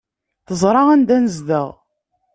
Teẓra anda nezdeɣ.